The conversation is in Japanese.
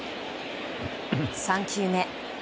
３球目。